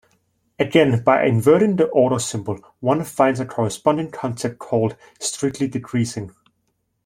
Again, by inverting the order symbol, one finds a corresponding concept called strictly decreasing.